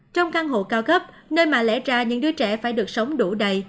trong căn hộ cao cấp nơi mà lẽ ra những đứa trẻ phải được sống đủ đầy